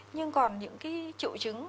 nhưng còn những cái triệu chứng